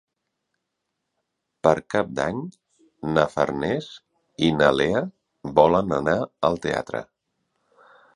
Per Cap d'Any na Farners i na Lea volen anar al teatre.